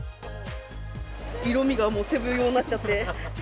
色味がもう、セブ用になっちゃって。